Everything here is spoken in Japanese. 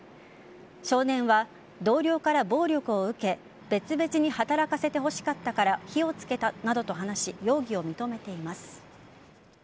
少年は同僚から暴力を受け別々に働かせてほしかったから火をつけたなどと話し容疑を認めています。